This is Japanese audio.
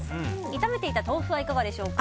炒めていた豆腐はいかがでしょうか。